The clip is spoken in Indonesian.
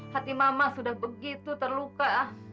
hati mama sudah begitu terluka